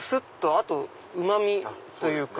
あとうま味というか。